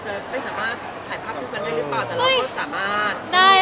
อเรนนี่ได้ทำไมถึงถ่ายเวลายังได้